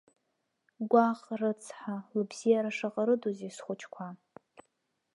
Гәаҟ рыцҳа, лыбзиара шаҟа рыдузеи схәыҷқәа!